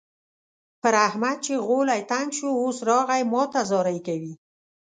پر احمد چې غولی تنګ شو؛ اوس راغی ما ته زارۍ کوي.